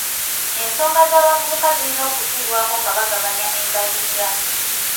Ensonga z'abavubuka zirina okufiibwako nga bagabanya embalirira.